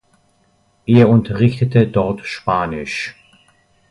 Er unterrichtete dort Spanisch.